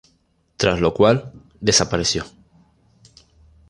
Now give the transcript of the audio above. Tras lo cual "desapareció".